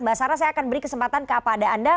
mbak sara saya akan beri kesempatan ke apa ada anda